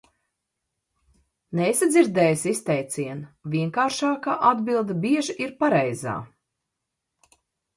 "Neesi dzirdējusi izteicienu: "Vienkāršākā atbilde bieži ir pareizā"?"